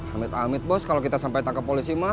amit amit bos kalau kita sampai tangkap polisi mah